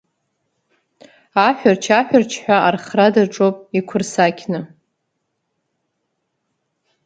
Аҳәырч-аҳәырчҳәа архра даҿуп иқәырсақьны.